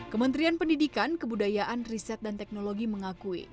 kementerian pendidikan kebudayaan riset dan teknologi mengakui